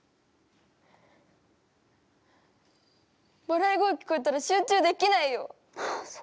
笑い声聞こえたら集中できないよ。